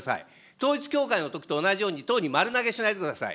統一教会のときと同じように、党に丸投げしないでください。